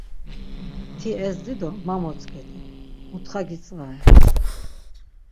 Ti ezdi do ma motzǩedi, mutxa gitzvare.